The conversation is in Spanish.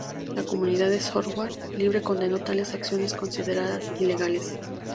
La comunidad de software libre condenó tales acciones consideradas ilegales.